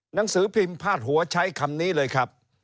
หนังสือพิมพ์พาดหัวใช้คำนี้เลยครับ